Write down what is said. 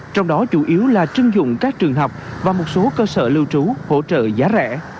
trong đó chủ yếu là chưng dụng các trường học và một số cơ sở lưu trú hỗ trợ giá rẻ